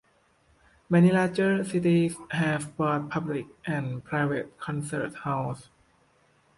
Many larger cities have both public and private concert halls.